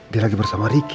dia lagi bersama ricky